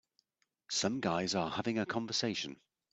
Some guys are having a conversation.